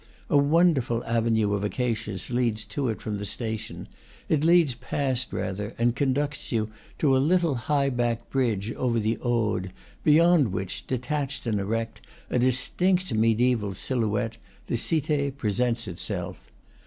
A wonderful avenue of acacias leads to it from the station, leads past, rather, and conducts you to a little high backed bridge over the Aude, beyond which, detached and erect, a distinct mediaeval silhouette, the Cite presents itself.